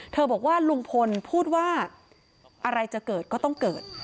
บอกว่าลุงพลพูดว่าอะไรจะเกิดก็ต้องเกิด